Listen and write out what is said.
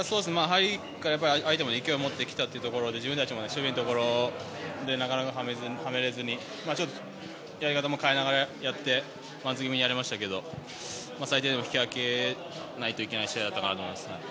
相手も勢いを持って来たというところで自分たちも守備のところでなかなかはめれずにちょっとやり方も変えながらやってやりましたけど最低でも引き分けないといけない試合だったかなと思います。